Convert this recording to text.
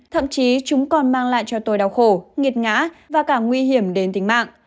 thậm chí chúng còn mang lại cho tôi đau khổ nghiệt ngã và cả nguy hiểm đến tính mạng